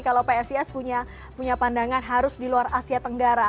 kalau psis punya pandangan harus di luar asia tenggara